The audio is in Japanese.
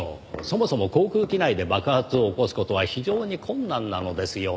そもそも航空機内で爆発を起こす事は非常に困難なのですよ。